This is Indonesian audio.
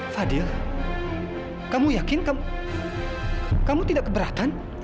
fadil kamu yakin kamu tidak keberatan